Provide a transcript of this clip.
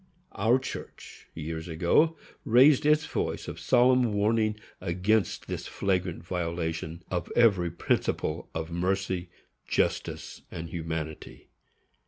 Our church, years ago, raised its voice of solemn warning against this flagrant violation of every principle of mercy, justice, and humanity.